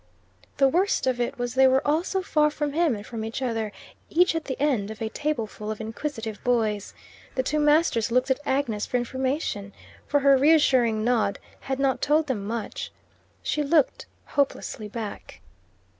The worst of it was they were all so far from him and from each other, each at the end of a tableful of inquisitive boys. The two masters looked at Agnes for information, for her reassuring nod had not told them much. She looked hopelessly back.